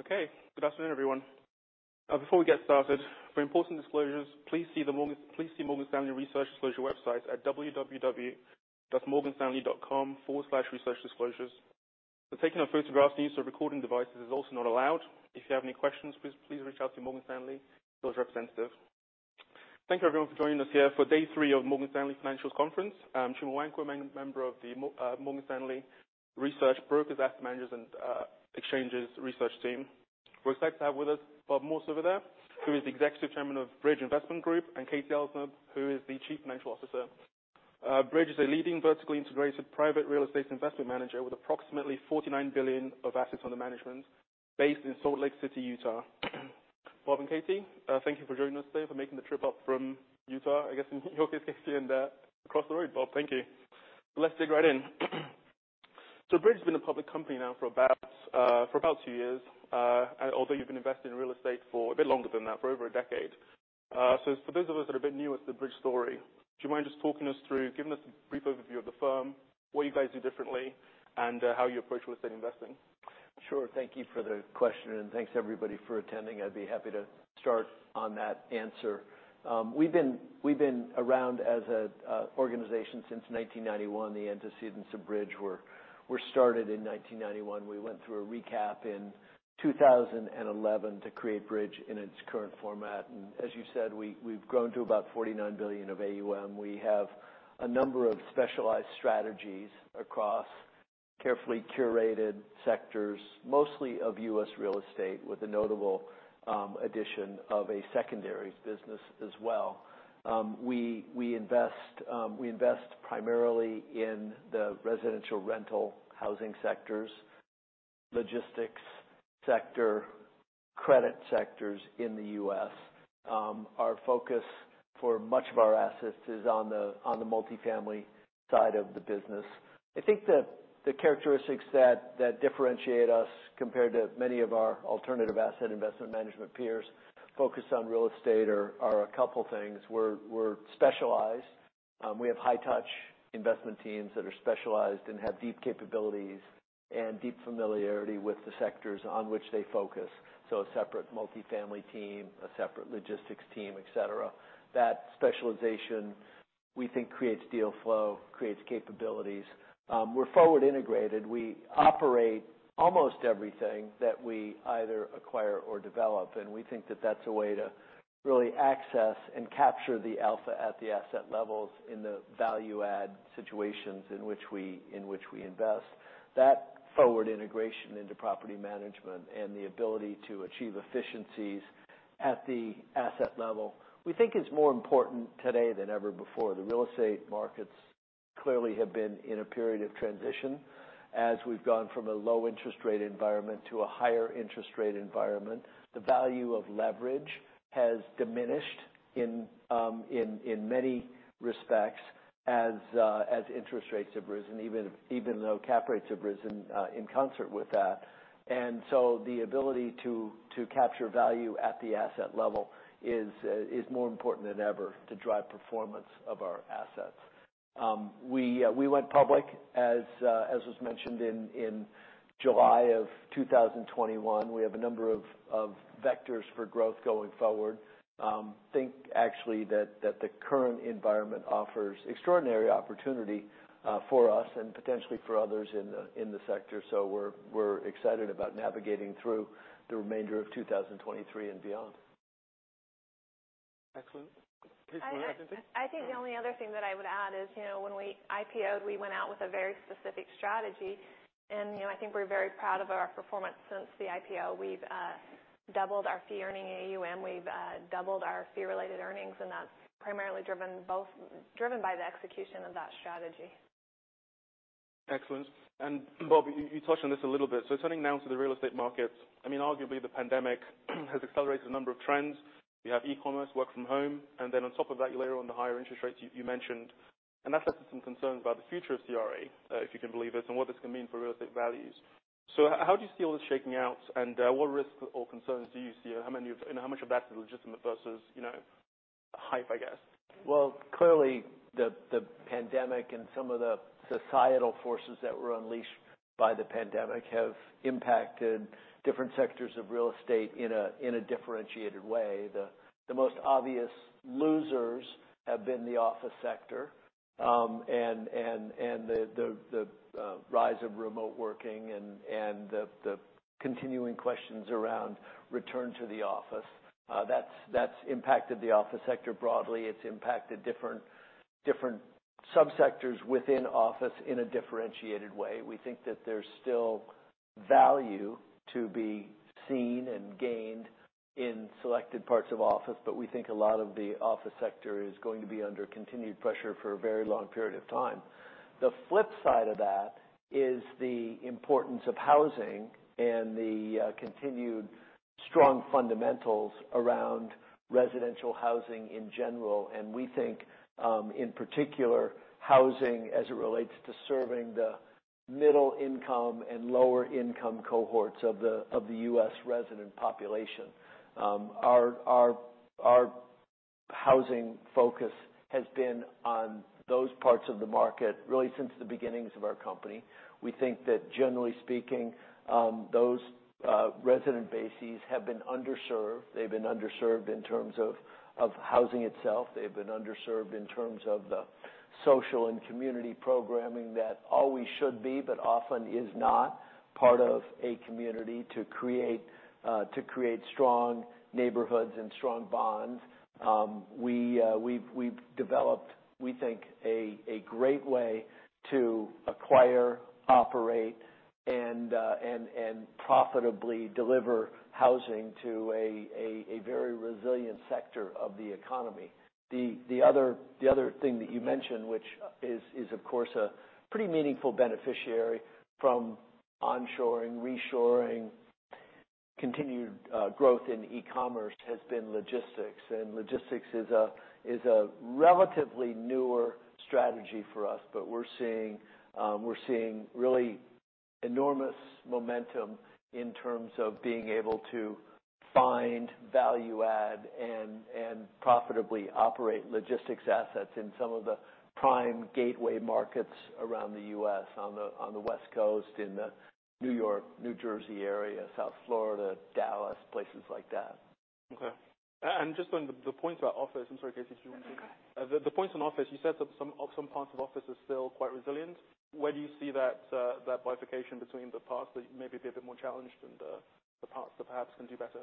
Okay, good afternoon, everyone. Before we get started, for important disclosures, please see Morgan Stanley Research Disclosure website at www.morganstanley.com/researchdisclosures. The taking of photographs and use of recording devices is also not allowed. If you have any questions, please reach out to your Morgan Stanley sales representative. Thank you, everyone, for joining us here for day three of Morgan Stanley's Financial Conference. I'm Trevor Wankel, member of the Morgan Stanley Research Brokers, Asset Managers, and Exchanges Research Team. We're excited to have with us Robert Morse over there, who is the Executive Chairman of Bridge Investment Group, and Katie Elsnab, who is the Chief Financial Officer. Bridge is a leading vertically integrated private real estate investment manager with approximately $49 billion of assets under management based in Salt Lake City, Utah. Bob and Katie, thank you for joining us today, for making the trip up from Utah, I guess in your case, Katie, and across the road, Bob. Thank you. Let's dig right in. Bridge has been a public company now for about two years, and although you've been invested in real estate for a bit longer than that, for over a decade. For those of us that are a bit new with the Bridge story, do you mind just talking us through, giving us a brief overview of the firm, what you guys do differently, and how you approach real estate investing? Sure. Thank you for the question. Thanks, everybody, for attending. I'd be happy to start on that answer. We've been around as a organization since 1991. The antecedents of Bridge were started in 1991. We went through a recap in 2011 to create Bridge in its current format, and as you said, we've grown to about $49 billion of AUM. We have a number of specialized strategies across carefully curated sectors, mostly of U.S. real estate, with the notable addition of a secondary business as well. We invest primarily in the residential rental housing sectors, logistics sector, credit sectors in the U.S. Our focus for much of our assets is on the multifamily side of the business. I think the characteristics that differentiate us compared to many of our alternative asset investment management peers focused on real estate are a couple things. We're specialized. We have high-touch investment teams that are specialized and have deep capabilities and deep familiarity with the sectors on which they focus, so a separate multifamily team, a separate logistics team, et cetera. That specialization, we think, creates deal flow, creates capabilities. We're forward integrated. We operate almost everything that we either acquire or develop, and we think that that's a way to really access and capture the alpha at the asset levels in the value add situations in which we invest. That forward integration into property management and the ability to achieve efficiencies at the asset level, we think is more important today than ever before. The real estate markets clearly have been in a period of transition. As we've gone from a low interest rate environment to a higher interest rate environment, the value of leverage has diminished in many respects as interest rates have risen, even though cap rates have risen in concert with that. The ability to capture value at the asset level is more important than ever to drive performance of our assets. We went public, as was mentioned in July of 2021. We have a number of vectors for growth going forward. Think actually that the current environment offers extraordinary opportunity for us and potentially for others in the sector. We're excited about navigating through the remainder of 2023 and beyond. Excellent. Please go ahead, Katie. I think the only other thing that I would add is, you know, when we IPO'd, we went out with a very specific strategy, and, you know, I think we're very proud of our performance since the IPO. We've doubled our Fee-Earning AUM, we've doubled our Fee-Related Earnings, and that's primarily driven by the execution of that strategy. Excellent. Bob, you touched on this a little bit. Turning now to the real estate markets, I mean, arguably the pandemic has accelerated a number of trends. You have e-commerce, work from home, and then on top of that, layer on the higher interest rates you mentioned. That's led to some concerns about the future of CRE, if you can believe it, and what this can mean for real estate values. How do you see all this shaking out, and what risks or concerns do you see, and how much of that is legitimate versus, you know, hype, I guess? Well, clearly, the pandemic and some of the societal forces that were unleashed by the pandemic have impacted different sectors of real estate in a differentiated way. The most obvious losers have been the office sector, and the rise of remote working and the continuing questions around return to the office. That's impacted the office sector broadly. It's impacted different subsectors within office in a differentiated way. We think that there's still value to be seen and gained in selected parts of office, but we think a lot of the office sector is going to be under continued pressure for a very long period of time. The flip side of that is the importance of housing and the continued strong fundamentals around residential housing in general. We think, in particular, housing as it relates to serving the middle income and lower income cohorts of the U.S. resident population. Our housing focus has been on those parts of the market really since the beginnings of our company. We think that generally speaking, those resident bases have been underserved. They've been underserved in terms of housing itself. They've been underserved in terms of the social and community programming that always should be, but often is not part of a community to create strong neighborhoods and strong bonds. We've developed, we think, a great way to acquire, operate, and profitably deliver housing to a very resilient sector of the economy. The other thing that you mentioned, which is, of course a pretty meaningful beneficiary from onshoring, reshoring, continued growth in e-commerce, has been logistics. Logistics is a relatively newer strategy for us, but we're seeing really enormous momentum in terms of being able to find value add and profitably operate logistics assets in some of the prime gateway markets around the U.S., on the West Coast, in the New York, New Jersey area, South Florida, Dallas, places like that. Okay. Just on the point about office, I'm sorry, Katie, did you want to...? No, go ahead. The points on office, you said that some parts of office are still quite resilient. Where do you see that that bifurcation between the parts that maybe be a bit more challenged and the parts that perhaps can do better?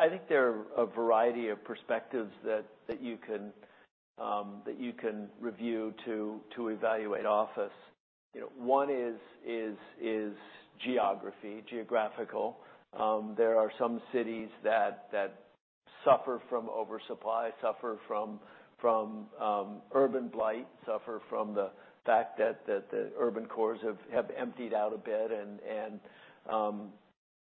I think there are a variety of perspectives that you can, that you can review to evaluate office. You know, one is geography, geographical. There are some cities that suffer from oversupply, suffer from, urban blight, suffer from the fact that the urban cores have emptied out a bit, and,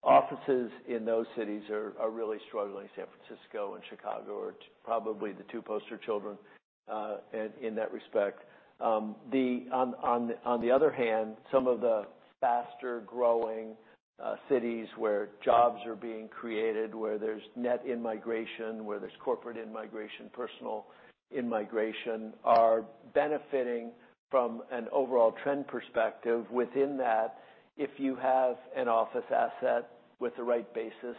offices in those cities are really struggling. San Francisco and Chicago are probably the two poster children, in that respect. On the other hand, some of the faster growing cities where jobs are being created, where there's net in-migration, where there's corporate in-migration, personal in-migration, are benefiting from an overall trend perspective. Within that, if you have an office asset with the right basis,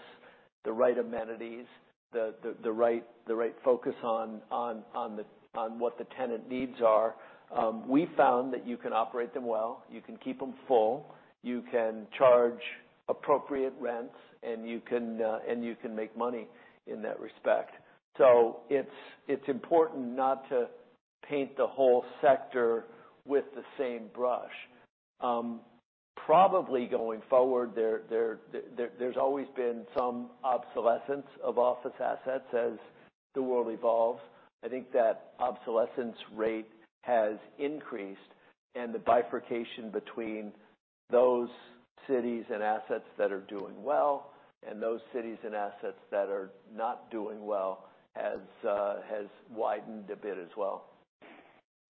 the right amenities, the right focus on the on what the tenant needs are, we found that you can operate them well, you can keep them full, you can charge appropriate rents, and you can make money in that respect. It's, it's important not to paint the whole sector with the same brush. Probably going forward, there's always been some obsolescence of office assets as the world evolves. I think that obsolescence rate has increased, and the bifurcation between those cities and assets that are doing well and those cities and assets that are not doing well has widened a bit as well.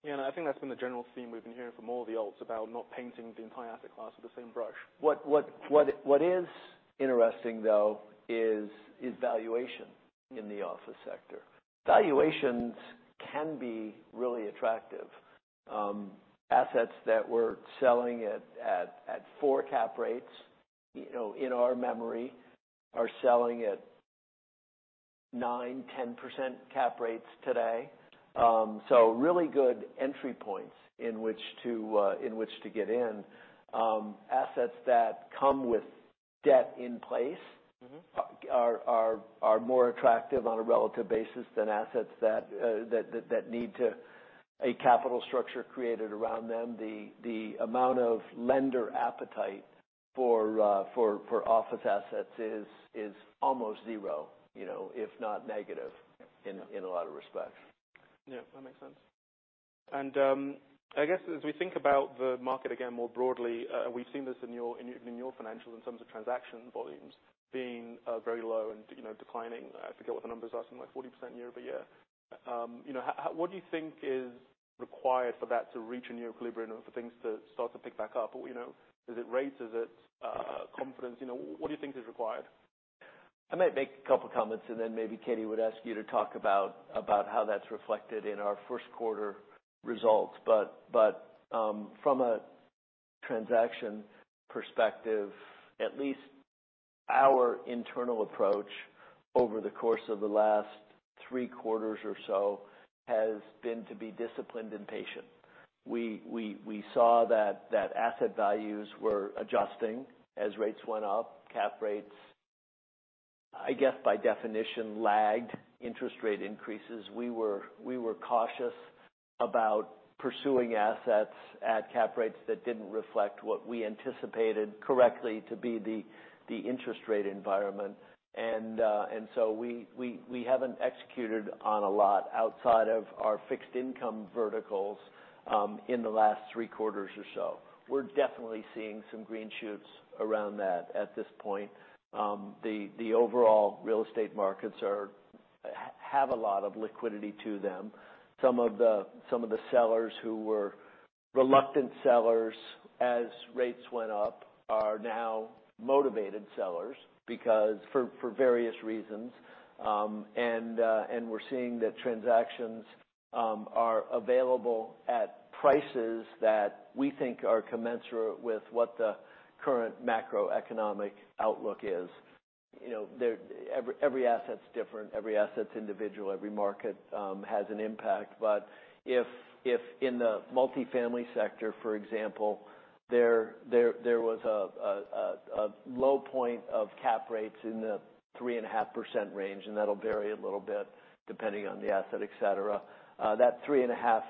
I think that's been the general theme we've been hearing from all the alts about not painting the entire asset class with the same brush. What is interesting, though, is valuation in the office sector. Valuations can be really attractive. Assets that we're selling at four cap rates, you know, in our memory, are selling at 9-10% cap rates today. Really good entry points in which to in which to get in. Assets that come with debt in place. Mm-hmm. are more attractive on a relative basis than assets that need to a capital structure created around them. The amount of lender appetite for office assets is almost zero, you know, if not negative in a lot of respects. Yeah, that makes sense. I guess as we think about the market again, more broadly, we've seen this in your, in your financials in terms of transaction volumes being very low and, you know, declining. I forget what the numbers are, something like 40% quarter-over-quarter. You know, what do you think is required for that to reach a new equilibrium or for things to start to pick back up? What, you know... Is it rates? Is it confidence? You know, what do you think is required? I might make a couple comments, and then maybe Katie would ask you to talk about how that's reflected in our Q1 results. From a transaction perspective, at least our internal approach over the course of the last 3 quarters or so, has been to be disciplined and patient. We saw that asset values were adjusting as rates went up. Cap rates, I guess, by definition, lagged interest rate increases. We were cautious about pursuing assets at Cap rates that didn't reflect what we anticipated correctly to be the interest rate environment. So we haven't executed on a lot outside of our fixed income verticals, in the last three quarters or so. We're definitely seeing some green shoots around that at this point. The overall real estate markets have a lot of liquidity to them. Some of the sellers who were reluctant sellers as rates went up are now motivated sellers because for various reasons. And we're seeing that transactions are available at prices that we think are commensurate with what the current macroeconomic outlook is. You know, every asset's different, every asset's individual, every market has an impact. But if in the multifamily sector, for example, there was a low point of cap rates in the 3.5% range, and that'll vary a little bit depending on the asset, et cetera. That 3.5%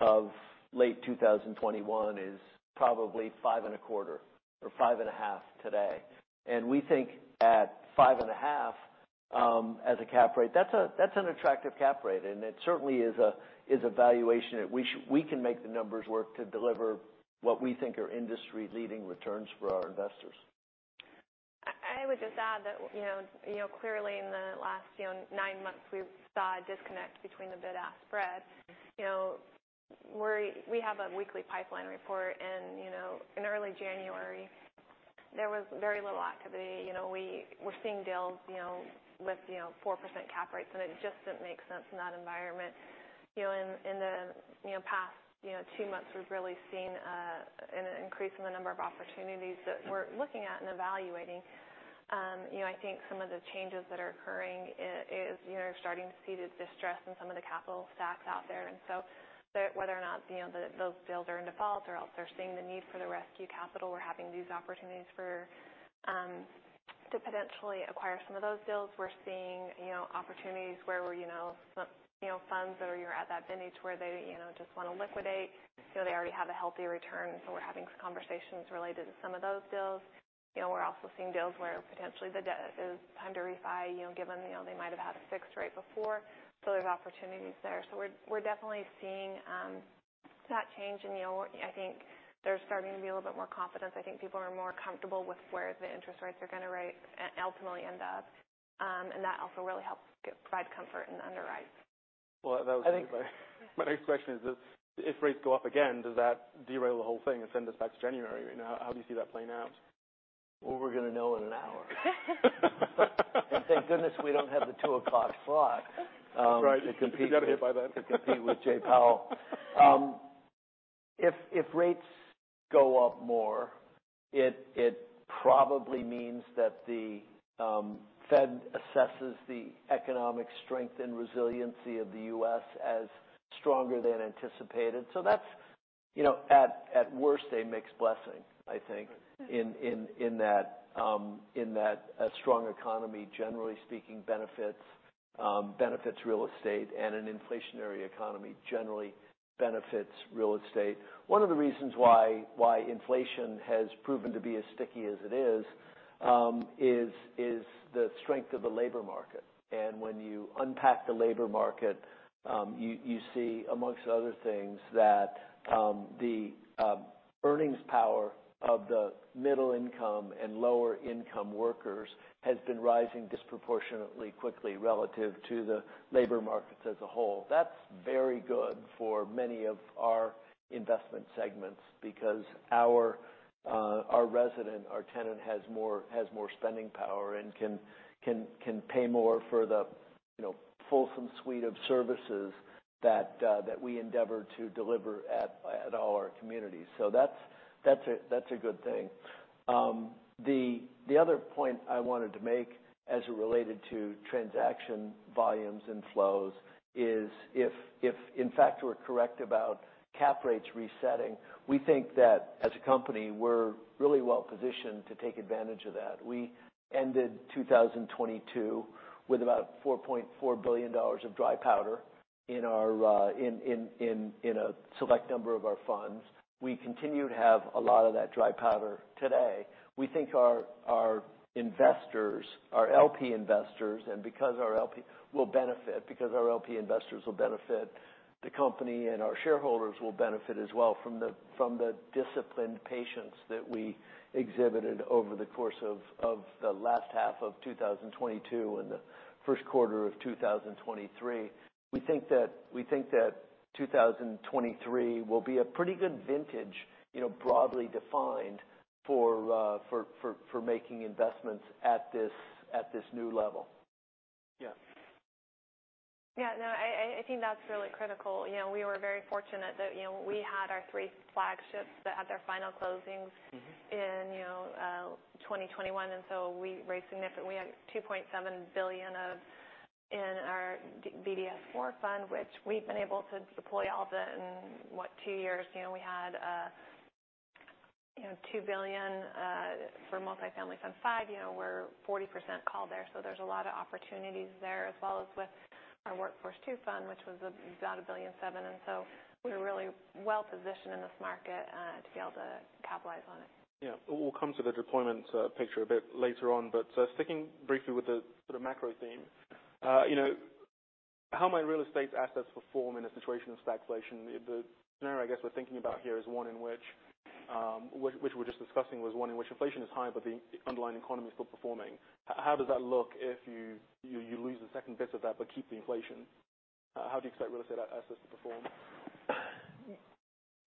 of late 2021 is probably 5.25% or 5.5% today. We think at 5.5 as a cap rate, that's an attractive cap rate, and it certainly is a valuation that we can make the numbers work to deliver what we think are industry-leading returns for our investors. I would just add that, you know, you know, clearly in the last, you know, nine months, we've saw a disconnect between the bid-ask spread. You know, we have a weekly pipeline report, and, you know, in early January, there was very little activity. You know, we're seeing deals, you know, with, you know, 4% cap rates, and it just didn't make sense in that environment. You know, in the, you know, past, you know, two months, we've really seen an increase in the number of opportunities that we're looking at and evaluating. You know, I think some of the changes that are occurring is, you know, you're starting to see the distress in some of the capital stacks out there. Whether or not, you know, those deals are in default or else they're seeing the need for the rescue capital, we're having these opportunities for to potentially acquire some of those deals. We're seeing, you know, opportunities where we're, you know, some, you know, funds that are at that vintage where they, you know, just wanna liquidate. You know, they already have a healthy return, so we're having conversations related to some of those deals. You know, we're also seeing deals where potentially it's time to refi, you know, given, you know, they might have had a fixed rate before, so there's opportunities there. We're, we're definitely seeing that change, and, you know, I think there's starting to be a little bit more confidence. I think people are more comfortable with where the interest rates are gonna rate ultimately end up. That also really helps provide comfort in the underwrite. Well. I think- My next question is this: If rates go up again, does that derail the whole thing and send us back to January? You know, how do you see that playing out? Well, we're gonna know in an hour. Thank goodness, we don't have the 2:00 P.M. slot. Right. to compete We got hit by that. to compete with Jay Powell. If rates go up more, it probably means that the Fed assesses the economic strength and resiliency of the US as stronger than anticipated. That's, you know, at worst, a mixed blessing, I think, in that a strong economy, generally speaking, benefits real estate, and an inflationary economy generally benefits real estate. One of the reasons why inflation has proven to be as sticky as it is the strength of the labour market. When you unpack the labour market, you see, amongst other things, that the earnings power of the middle-income and lower-income workers has been rising disproportionately quickly relative to the labour markets as a whole. That's very good for many of our investment segments because our resident, our tenant, has more spending power and can pay more for the, you know, fulsome suite of services that we endeavor to deliver at all our communities. That's a good thing. The other point I wanted to make as it related to transaction volumes and flows is if, in fact, we're correct about cap rates resetting, we think that as a company, we're really well positioned to take advantage of that. We ended 2022 with about $4.4 billion of dry powder in a select number of our funds. We continue to have a lot of that dry powder today. We think our investors, our LP investors, and because our LP... Will benefit, our LP investors will benefit, the company and our shareholders will benefit as well from the disciplined patience that we exhibited over the course of the last half of 2022 and the 1st quarter of 2023. We think that 2023 will be a pretty good vintage, you know, broadly defined for making investments at this new level. Yeah. Yeah, no, I think that's really critical. You know, we were very fortunate that, you know, we had our three flagships that had their final closings- Mm-hmm. in, you know, 2021, we raised significant... We had $2.7 billion in our BDS IV fund, which we've been able to deploy all of it in, what, two years. You know, we had, you know, $2 billion for Multifamily Fund V. You know, we're 40% called there. There's a lot of opportunities there, as well as with our Workforce II fund, which was about $1.7 billion. We're really well positioned in this market to be able to capitalize on it. Yeah. We'll come to the deployment picture a bit later on. Sticking briefly with the sort of macro theme, you know, how might real estate assets perform in a situation of stagflation? The scenario I guess we're thinking about here is one in which we're just discussing, was one in which inflation is high, but the underlying economy is still performing. How does that look if you lose the second bit of that, but keep the inflation? How do you expect real estate assets to perform?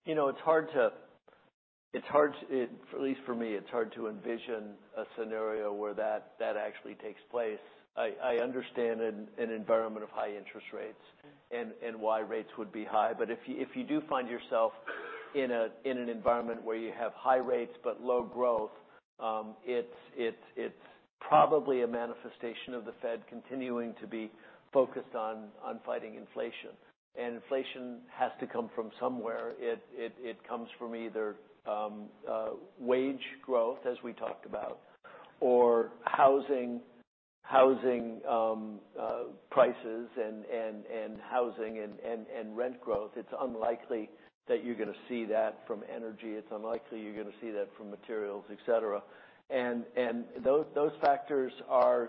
You know, it's hard to. At least for me, it's hard to envision a scenario where that actually takes place. I understand an environment of high interest rates and why rates would be high. If you do find yourself in an environment where you have high rates but low growth, it's probably a manifestation of the Fed continuing to be focused on fighting inflation. Inflation has to come from somewhere. It comes from either wage growth, as we talked about, or housing prices and housing and rent growth. It's unlikely that you're going to see that from energy. It's unlikely you're going to see that from materials, et cetera. Those factors are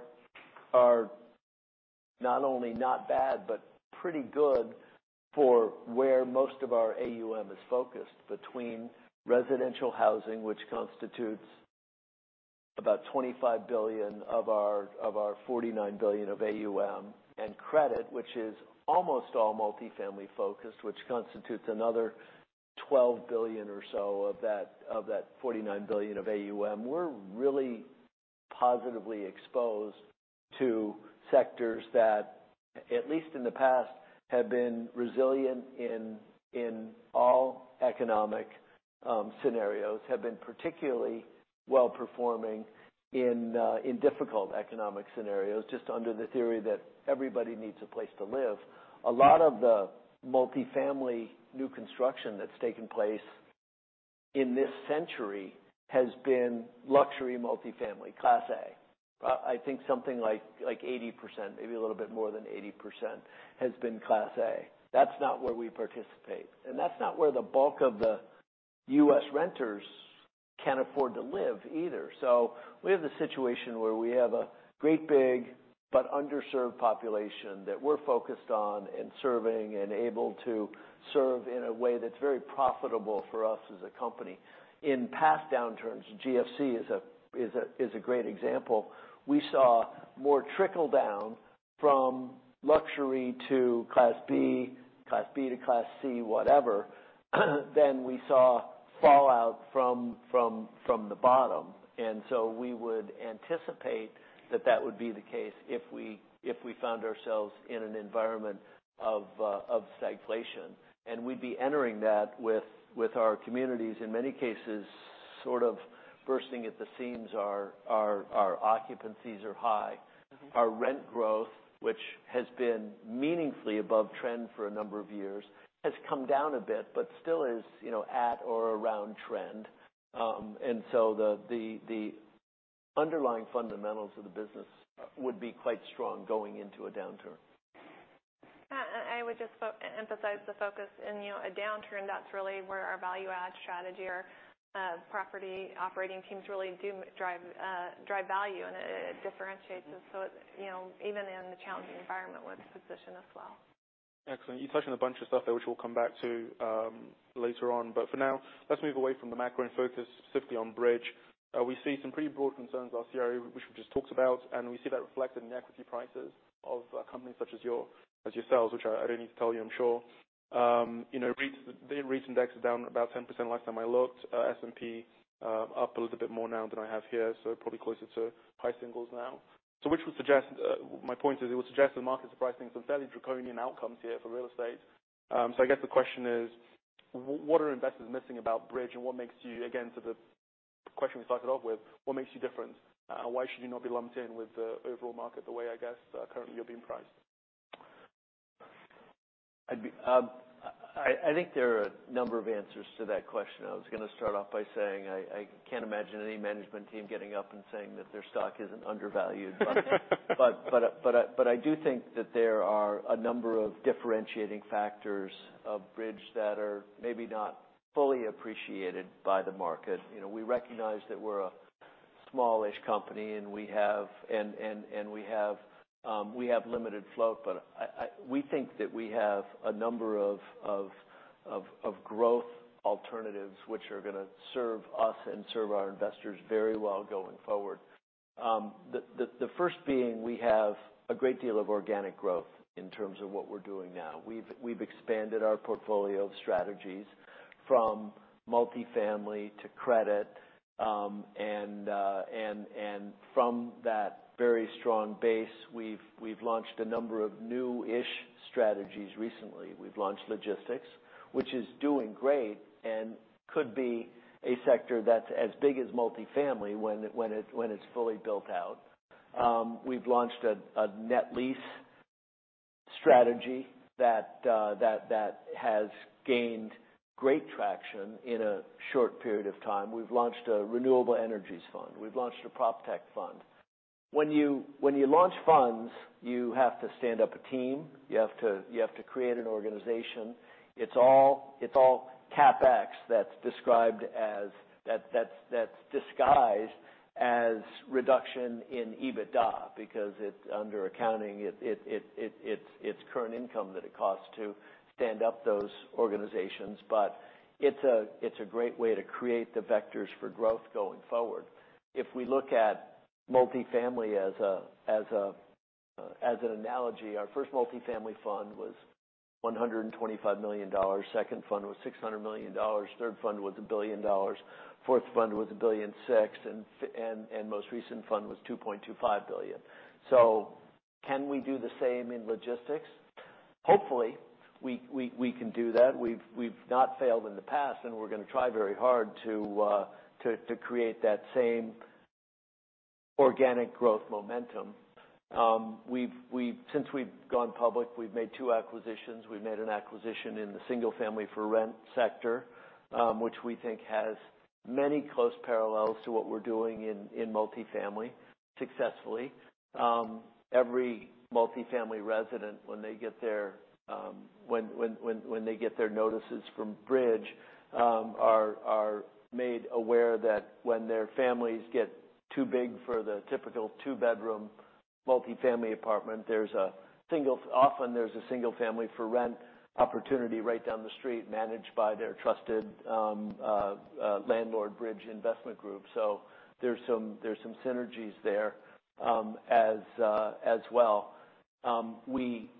not only not bad, but pretty good for where most of our AUM is focused between residential housing, which constitutes about $25 billion of our $49 billion of AUM, and credit, which is almost all multifamily focused, which constitutes another $12 billion or so of that $49 billion of AUM. We're really positively exposed to sectors that, at least in the past, have been resilient in all economic scenarios, have been particularly well-performing in difficult economic scenarios, just under the theory that everybody needs a place to live. A lot of the multifamily new construction that's taken place in this century has been luxury multifamily, Class A. I think something like 80%, maybe a little bit more than 80%, has been Class A. That's not where we participate, and that's not where the bulk of the U.S. renters can afford to live either. We have this situation where we have a great big but underserved population that we're focused on and serving and able to serve in a way that's very profitable for us as a company. In past downturns, GFC is a great example, we saw more trickle down from luxury to Class B, Class B to Class C, whatever, than we saw fallout from the bottom. We would anticipate that that would be the case if we found ourselves in an environment of stagflation. We'd be entering that with our communities, in many cases, sort of bursting at the seams. Our occupancies are high. Mm-hmm. Our rent growth, which has been meaningfully above trend for a number of years, has come down a bit, but still is, you know, at or around trend. The underlying fundamentals of the business would be quite strong going into a downturn. I would just emphasize the focus in, you know, a downturn. That's really where our value add strategy, our property operating teams really do drive value, and it differentiates us. you know, even in a challenging environment, we're positioned as well. Excellent. You touched on a bunch of stuff there, which we'll come back to later on. For now, let's move away from the macro and focus specifically on Bridge. We see some pretty broad concerns about CRE, which we just talked about, and we see that reflected in the equity prices of companies such as yourselves, which I don't need to tell you, I'm sure. You know, REITs, the REIT index is down about 10% last time I looked. S&P, up a little bit more now than I have here, so probably closer to high singles now. My point is, it would suggest the market's pricing some fairly draconian outcomes here for real estate. I guess the question is: What are investors missing about Bridge, and what makes you, again, to the question we started off with, what makes you different? Why should you not be lumped in with the overall market the way, I guess, currently you're being priced? I'd be, I think there are a number of answers to that question. I was going to start off by saying I can't imagine any management team getting up and saying that their stock isn't undervalued. I do think that there are a number of differentiating factors of Bridge that are maybe not fully appreciated by the market. You know, we recognize that we're a smallish company, and we have limited float, but we think that we have a number of growth alternatives, which are going to serve us and serve our investors very well going forward. The first being, we have a great deal of organic growth in terms of what we're doing now. We've expanded our portfolio of strategies from multifamily to credit, and from that very strong base, we've launched a number of new-ish strategies recently. We've launched logistics, which is doing great and could be a sector that's as big as multifamily when it's fully built out. We've launched a net lease strategy that has gained great traction in a short period of time. We've launched a renewable energies fund. We've launched a PropTech fund. When you launch funds, you have to stand up a team, you have to create an organization. It's all CapEx that's disguised as reduction in EBITDA, because it's under accounting, it's current income that it costs to stand up those organizations. It's a great way to create the vectors for growth going forward. If we look at multifamily as an analogy, our first multifamily fund was $125 million. Second fund was $600 million. Third fund was $1 billion. Fourth fund was $1.6 billion, and most recent fund was $2.25 billion. Can we do the same in logistics? Hopefully, we can do that. We've not failed in the past, and we're gonna try very hard to create that same organic growth momentum. Since we've gone public, we've made two acquisitions. We've made an acquisition in the single-family for rent sector, which we think has many close parallels to what we're doing in multifamily successfully. Every multifamily resident, when they get their notices from Bridge, are made aware that when their families get too big for the typical two-bedroom multifamily apartment, often there's a single-family for rent opportunity right down the street, managed by their trusted landlord, Bridge Investment Group. There's some synergies there as well. We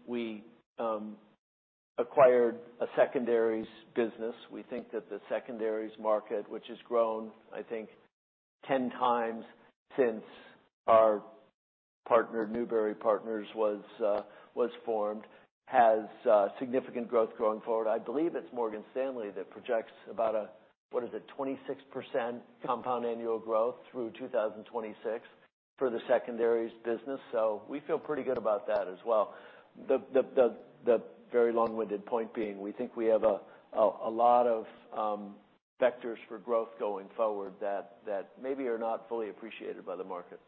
acquired a secondaries business. We think that the secondaries market, which has grown, I think, 10 times since our partner, Newbury Partners, was formed, has significant growth going forward. I believe it's Morgan Stanley that projects about a, what is it? 26% compound annual growth through 2026 for the secondaries business, so we feel pretty good about that as well. The very long-winded point being, we think we have a lot of vectors for growth going forward, that maybe are not fully appreciated by the market.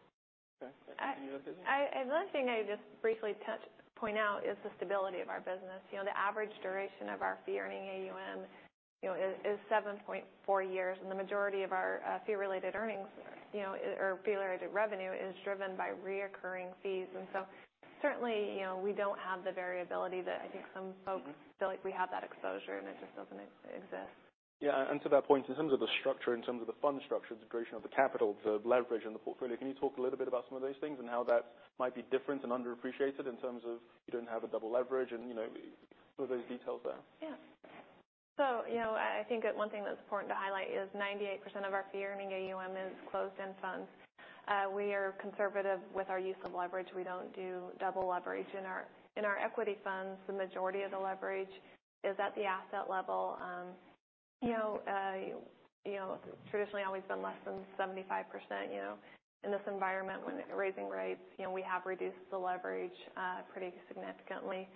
Okay. Do you want to- I, another thing I just briefly touch, point out is the stability of our business. You know, the average duration of our fee-earning AUM, you know, is 7.4 years, and the majority of our fee-related earnings, you know, or fee-related revenue is driven by reoccurring fees. Certainly, you know, we don't have the variability that I think some folks feel like we have that exposure, and it just doesn't exist. Yeah, to that point, in terms of the structure, in terms of the fund structure, the duration of the capital, the leverage in the portfolio, can you talk a little bit about some of those things and how that might be different and underappreciated in terms of you don't have a double leverage and, you know, some of those details there? I think that one thing that's important to highlight is 98% of our Fee-Earning AUM is closed-end funds. We are conservative with our use of leverage. We don't do double leverage. In our equity funds, the majority of the leverage is at the asset level. You know, traditionally always been less than 75%, you know. In this environment, when raising rates, you know, we have reduced the leverage pretty significantly.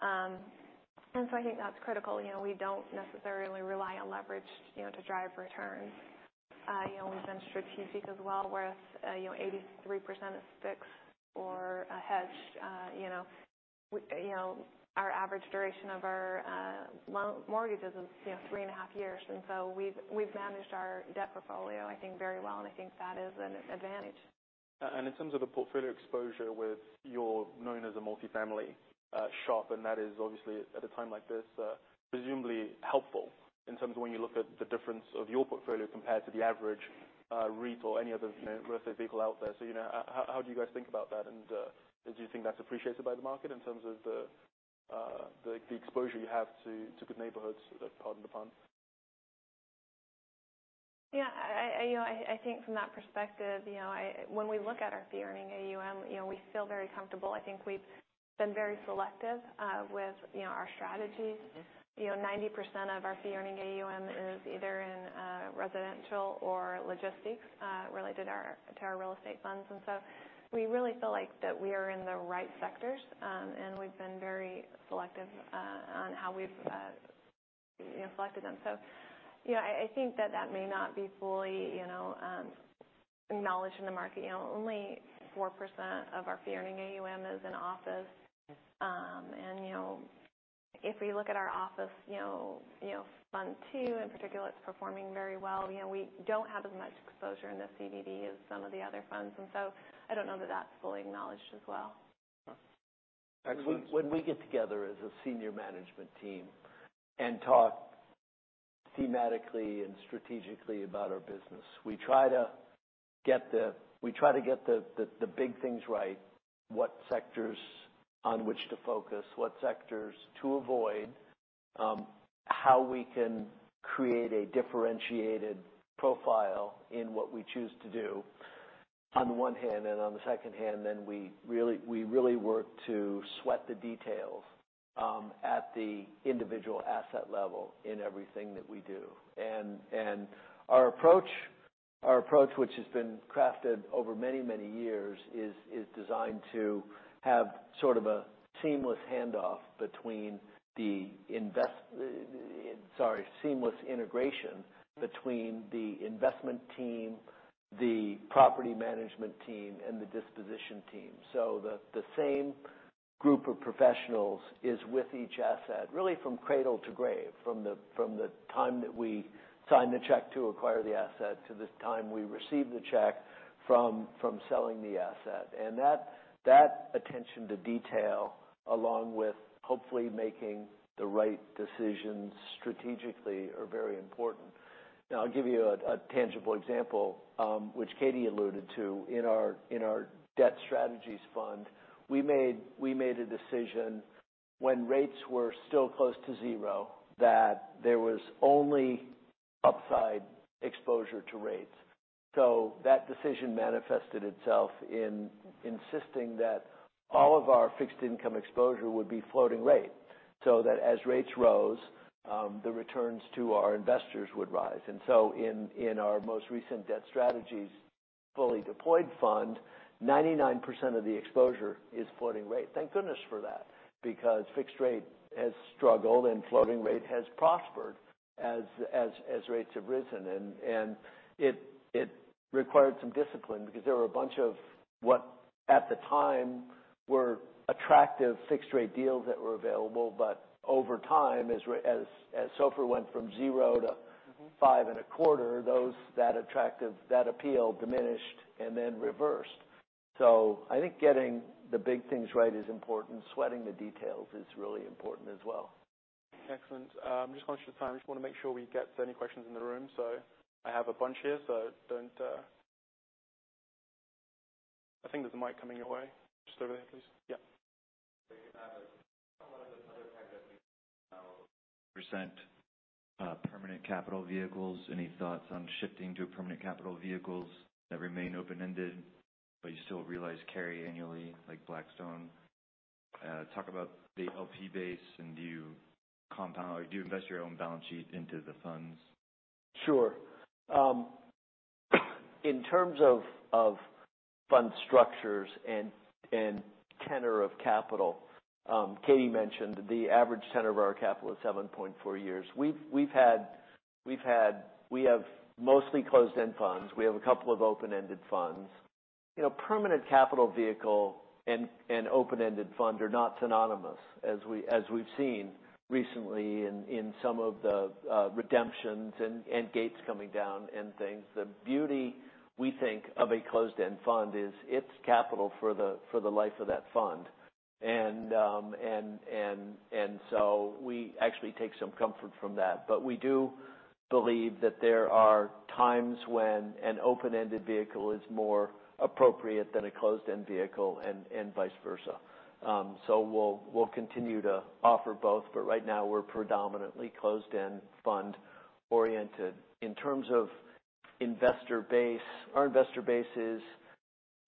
I think that's critical. You know, we don't necessarily rely on leverage, you know, to drive returns. You know, we've been strategic as well, where, you know, 83% is fixed or hedged. You know, we, you know, our average duration of our mortgages is, you know, three and a half years. We've managed our debt portfolio, I think, very well. I think that is an advantage. In terms of the portfolio exposure, you're known as a multifamily shop, and that is obviously, at a time like this, presumably helpful in terms of when you look at the difference of your portfolio compared to the average REIT or any other, you know, real estate vehicle out there. You know, how do you guys think about that, and, do you think that's appreciated by the market in terms of the exposure you have to good neighborhoods? Pardon the pun. Yeah, you know, I think from that perspective, you know, when we look at our Fee-Earning AUM, you know, we feel very comfortable. I think we've been very selective with, you know, our strategies. You know, 90% of our Fee-Earning AUM is either in residential or logistics related to our real estate funds. We really feel like that we are in the right sectors, and we've been very selective on how we've, you know, selected them. You know, I think that that may not be fully, you know, acknowledged in the market. You know, only 4% of our Fee-Earning AUM is in office. If we look at our office, Fund II, in particular, it's performing very well. You know, we don't have as much exposure in the CBD as some of the other funds, and so I don't know that that's fully acknowledged as well. Excellent. When we get together as a senior management team and talk thematically and strategically about our business, we try to get the big things right, what sectors on which to focus, what sectors to avoid, how we can create a differentiated profile in what we choose to do, on the one hand, and on the second hand, then we really work to sweat the details at the individual asset level in everything that we do. Our approach, which has been crafted over many, many years, is designed to have sort of a sorry, seamless integration between the investment team, the property management team, and the disposition team. The same...... group of professionals is with each asset, really, from cradle to grave, from the time that we sign the check to acquire the asset to the time we receive the check from selling the asset. That attention to detail, along with hopefully making the right decisions strategically, are very important. Now, I'll give you a tangible example, which Katie alluded to. In our debt strategies fund, we made a decision when rates were still close to 0, that there was only upside exposure to rates. That decision manifested itself in insisting that all of our fixed income exposure would be floating rate, so that as rates rose, the returns to our investors would rise. In our most recent debt strategies, fully deployed fund, 99% of the exposure is floating rate. Thank goodness for that, because fixed rate has struggled and floating rate has prospered as rates have risen. It required some discipline because there were a bunch of what, at the time, were attractive fixed rate deals that were available, but over time, as SOFR went from zero to. Mm-hmm. -five and a quarter, that attractive appeal diminished and then reversed. I think getting the big things right is important. Sweating the details is really important as well. Excellent. I'm just conscious of time. Just wanna make sure we get to any questions in the room. I have a bunch here, so don't... I think there's a mic coming your way. Just over here, please. ...%, permanent capital vehicles. Any thoughts on shifting to permanent capital vehicles that remain open-ended, but you still realize carry annually, like Blackstone? Talk about the LP base, and do you compound or do you invest your own balance sheet into the funds? Sure. In terms of fund structures and tenor of capital, Katie mentioned the average tenor of our capital is 7.4 years. We have mostly closed-end funds. We have a couple of open-ended funds. You know, permanent capital vehicle and open-ended fund are not synonymous, as we've seen recently in some of the redemptions and gates coming down and things. The beauty, we think, of a closed-end fund is it's capital for the life of that fund. So we actually take some comfort from that. We do believe that there are times when an open-ended vehicle is more appropriate than a closed-end vehicle and vice versa. We'll continue to offer both, but right now we're predominantly closed-end fund oriented. In terms of investor base, our investor base is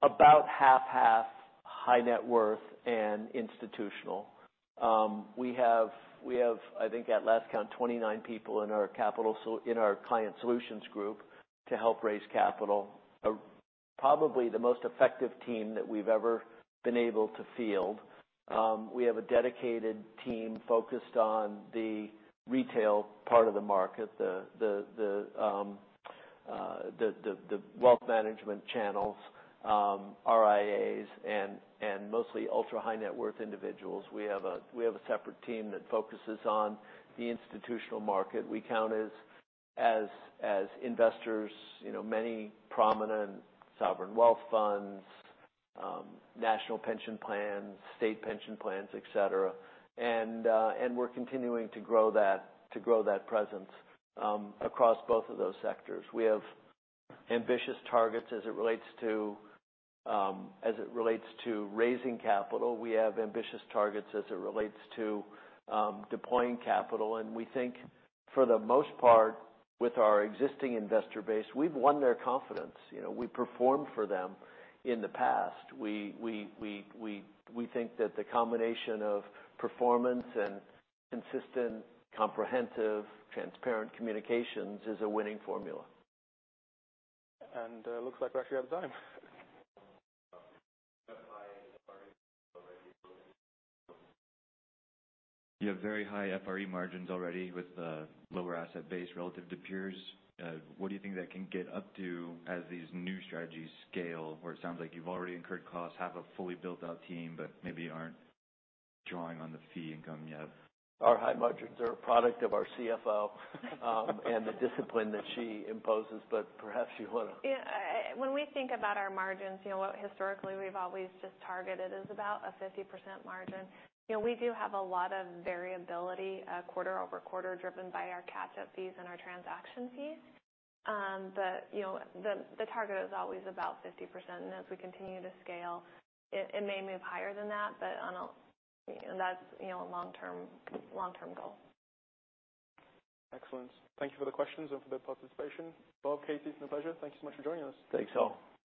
about half/half high net worth and institutional. We have, I think, at last count, 29 people in our Client Solutions Group to help raise capital. Probably the most effective team that we've ever been able to field. We have a dedicated team focused on the retail part of the market, the wealth management channels, RIAs and mostly ultra high net worth individuals. We have a separate team that focuses on the institutional market. We count as investors, you know, many prominent sovereign wealth funds, national pension plans, state pension plans, et cetera. We're continuing to grow that presence across both of those sectors. We have ambitious targets as it relates to, as it relates to raising capital. We have ambitious targets as it relates to, deploying capital. We think, for the most part, with our existing investor base, we've won their confidence. You know, we performed for them in the past. We think that the combination of performance and consistent, comprehensive, transparent communications is a winning formula. It looks like we're actually out of time. You have very high FRE margins already with the lower asset base relative to peers. What do you think that can get up to as these new strategies scale, where it sounds like you've already incurred costs, have a fully built-out team, but maybe aren't drawing on the fee income yet? Our high margins are a product of our CFO, and the discipline that she imposes. Yeah, when we think about our margins, you know, what historically we've always just targeted is about a 50% margin. You know, we do have a lot of variability, quarter-over-quarter, driven by our catch-up fees and our transaction fees. You know, the target is always about 50%, and as we continue to scale, it may move higher than that, but I don't... That's, you know, a long-term goal. Excellent. Thank you for the questions and for the participation. Bob, Katie, it's been a pleasure. Thank you so much for joining us. Thanks, all.